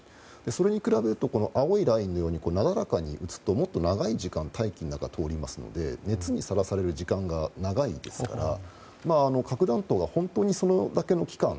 それに比べるとこの青いラインのようになだらかに撃つともっと長い時間大気の中を通るので熱にさらされる時間が長いので核弾頭が本当に、それだけの期間